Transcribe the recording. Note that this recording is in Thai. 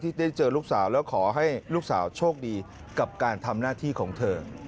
ได้เจอลูกสาวแล้วขอให้ลูกสาวโชคดีกับการทำหน้าที่ของเธอ